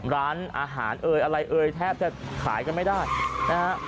ร้านอาหารเอ่ยอะไรเอ่ยแทบจะขายกันไม่ได้นะฮะ